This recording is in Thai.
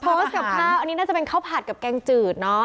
กับข้าวอันนี้น่าจะเป็นข้าวผัดกับแกงจืดเนาะ